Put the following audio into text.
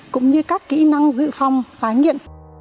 cũng như các kỹ năng dự phòng tái nghiện